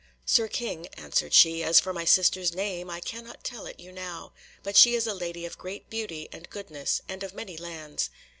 "Sir King," answered she, "as for my sister's name, I cannot tell it you now, but she is a lady of great beauty and goodness, and of many lands.